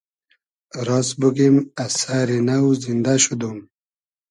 راس بوگیم از سئری نۆ زیندۂ شودوم